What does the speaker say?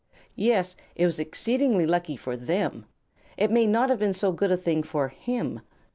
Yes, it was exceedingly lucky for them. It may not have been so good a thing for him.